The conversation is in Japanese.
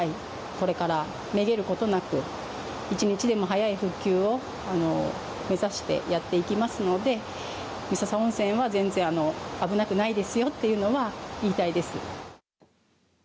これからめげることなく１日でも早い復旧を目指してやっていきますので三朝温泉は全然危なくないですよというのは言いたいです。